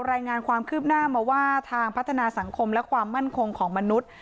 รายงานความคืบหน้ามาว่าทางพัฒนาสังคมและความมั่นคงของมนุษย์